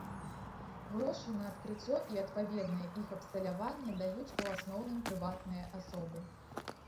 Грошы на адкрыццё і адпаведнае іх абсталяванне даюць у асноўным прыватныя асобы.